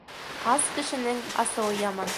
Ас кешенең асыуы яман.